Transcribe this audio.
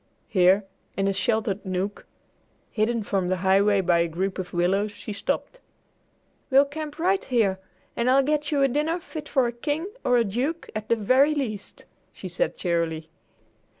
Here, in a sheltered nook, hidden from the highway by a group of willows, she stopped. "We'll camp right here, and I'll get you a dinner fit for a king or a duke, at the very least," she said cheerily.